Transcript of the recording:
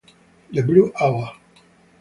The Blue Hour